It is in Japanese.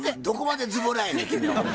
どこまでズボラやねん